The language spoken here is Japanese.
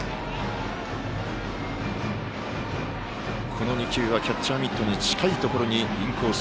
この２球はキャッチャーミットに近いところにインコース。